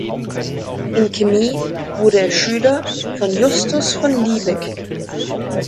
In Chemie wurde er Schüler von Justus von Liebig.